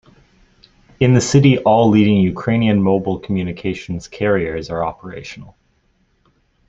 In the city all leading Ukrainian mobile communications carriers are operational.